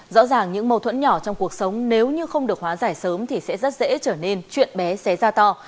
rõ ràng những mâu thuẫn nhỏ trong cuộc sống nếu như không được hóa giải sớm thì sẽ rất dễ trở nên chuyện bé xé ra to